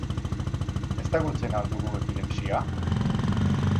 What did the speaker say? Ezagutzen al dugu epilepsia?